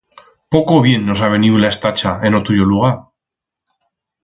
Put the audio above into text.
Poco bien nos ha veniu la estacha en o tuyo lugar!